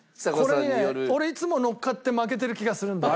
これにね俺いつものっかって負けてる気がするんだよ。